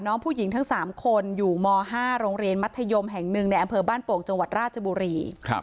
น้องผู้หญิงทั้ง๓คนอยู่ม๕โรงเรียนมัธยมแห่งหนึ่งในอำเภอบ้านโป่งจังหวัดราชบุรี